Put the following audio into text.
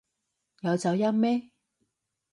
有走音咩？